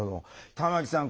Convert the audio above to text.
玉木さん